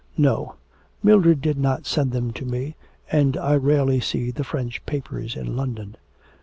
'No, Mildred did not send them to me, and I rarely see the French papers in London.'